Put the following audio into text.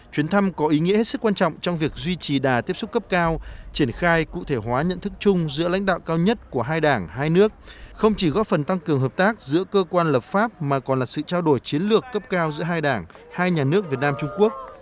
chuyến thăm có ý nghĩa hết sức quan trọng trong việc duy trì đà tiếp xúc cấp cao triển khai cụ thể hóa nhận thức chung giữa lãnh đạo cao nhất của hai đảng hai nước không chỉ góp phần tăng cường hợp tác giữa cơ quan lập pháp mà còn là sự trao đổi chiến lược cấp cao giữa hai đảng hai nhà nước việt nam trung quốc